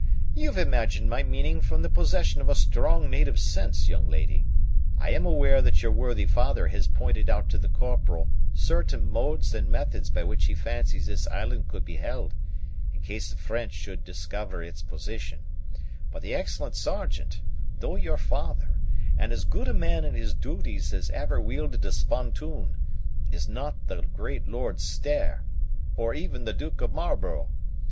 "You've imagined my meaning from the possession of a strong native sense, young lady. I am aware that your worthy father has pointed out to the Corporal certain modes and methods by which he fancies this island could be held, in case the French should discover its position; but the excellent Sergeant, though your father, and as good a man in his duties as ever wielded a spontoon, is not the great Lord Stair, or even the Duke of Marlborough.